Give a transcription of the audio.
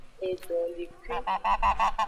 Edolekui.